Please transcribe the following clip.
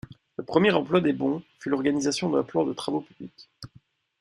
Le premier emploi des bons fut l'organisation d'un plan de travaux publics.